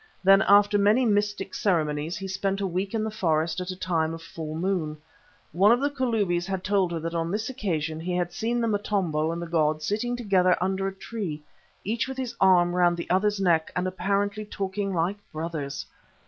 Then after many mystic ceremonies he spent a week in the forest at a time of full moon. One of the Kalubis had told her that on this occasion he had seen the Motombo and the god sitting together under a tree, each with his arm round the other's neck and apparently talking "like brothers."